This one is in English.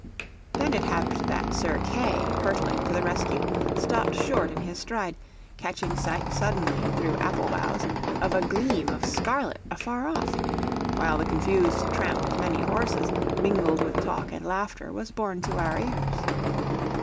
Then it happed that Sir Kay, hurtling to the rescue, stopped short in his stride, catching sight suddenly, through apple boughs, of a gleam of scarlet afar off; while the confused tramp of many horses, mingled with talk and laughter, was borne to our ears.